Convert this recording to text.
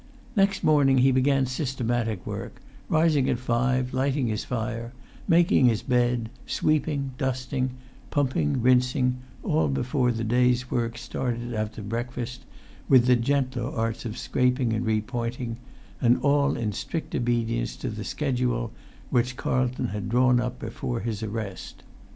Next morning he began systematic work, rising at five, lighting his fire, making his bed, sweeping, dusting, pumping, rinsing, all before the day's work started after breakfast, with the gentler arts of scraping and re pointing, and all in strict obedience to the schedule which Carlton had drawn up before his arrest.